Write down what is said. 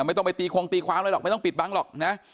ไม่ต้องไปตีคงตีความอะไรหรอกไม่ต้องปิดบังหรอกนะ